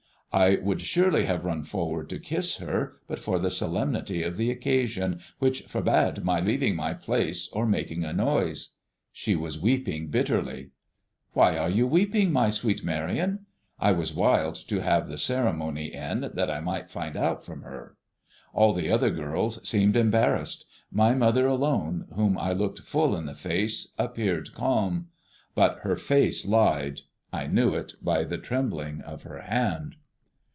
I would surely have run forward to kiss her but for the solemnity of the occasion, which forbade my leaving my place or making a noise. She was weeping bitterly. Why are you weeping, my sweet Marion? I was wild to have the ceremony end, that I might find out from her. All the other girls seemed embarrassed. My mother alone, whom I looked full in the face, appeared calm; but her face lied, I knew it by the trembling of her hand.